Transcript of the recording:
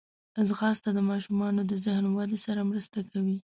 ځغاسته د ماشومانو د ذهن ودې سره مرسته کوي